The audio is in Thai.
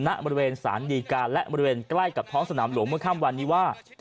ณบริเวณสารดีการและบริเวณใกล้กับท้องสนามหลวงเมื่อค่ำวันนี้ว่า